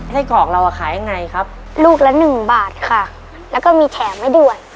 ไส้กรอกเราอ่ะขายยังไงครับลูกละหนึ่งบาทค่ะแล้วก็มีแถมให้ด้วย